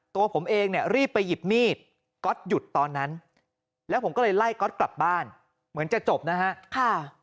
ตัวผมเองเนี่ยรีบไปหยิบมีดก๊อตหยุดตอนนั้นแล้วผมก็เลยไล่ก๊อตกลับบ้านเหมือนจะจบนะฮะ